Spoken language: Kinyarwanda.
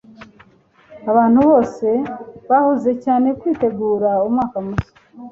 abantu bose bahuze cyane kwitegura umwaka mushya